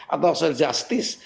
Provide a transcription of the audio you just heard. atau sebuah justis